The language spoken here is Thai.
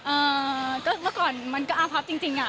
เอ่อก็เมื่อก่อนมันก็อาพับจริงจริงอ่ะ